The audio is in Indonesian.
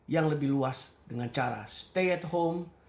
yang lebih luas dengan cara stay at home